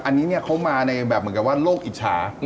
อันนี้เนี่ยเขามาในแบบเหมือนกับว่าโลกอิจฉา